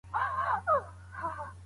هغه څېړنه چي ثبوت نلري بې ارزښته ده.